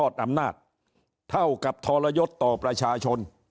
สืบทอดอำนาจเท่ากับธรยศต่อประชาชน